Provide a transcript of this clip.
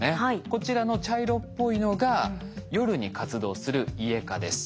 こちらの茶色っぽいのが夜に活動するイエカです。